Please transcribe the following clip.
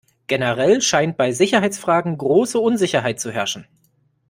Generell scheint bei Sicherheitsfragen große Unsicherheit zu herrschen.